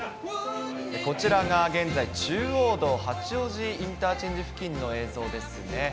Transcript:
こちらが現在、中央道八王子インターチェンジ付近の映像ですね。